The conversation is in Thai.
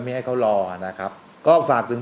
ไม่ให้เขารอนะครับก็ฝากถึง